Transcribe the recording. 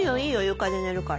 床で寝るから。